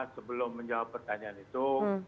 sebelum menjawab pertanyaan itu